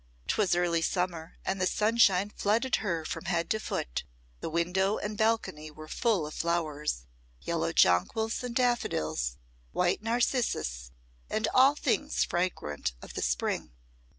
'Twas early summer, and the sunshine flooded her from head to foot; the window and balcony were full of flowers yellow jonquils and daffodils, white narcissus, and all things fragrant of the spring.